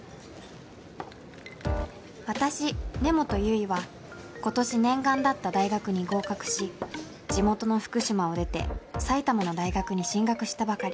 私根本由依は今年念願だった大学に合格し地元の福島を出て埼玉の大学に進学したばかり